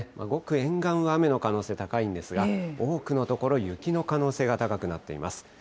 ごく沿岸は、雨の可能性高いんですが、多くの所、雪の可能性が高くなっています。